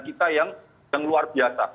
kita yang luar biasa